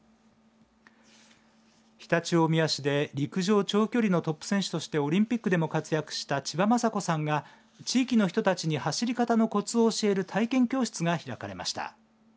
常陸大宮市で陸上長距離のトップ選手そしてオリンピックでも活躍した千葉真子さんが地域の人たちに走り方のこつを教える体験教室が開かれました。